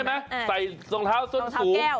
ใช่ไหมใส่รองเท้าส้นสูง